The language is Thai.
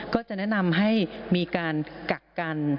ก็จะแนะนำให้มีการกักกัน